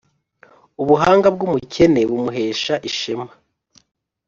Ubuhanga bw’umukene bumuhesha ishema,